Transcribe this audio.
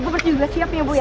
ibu bersih juga siap ya bu ya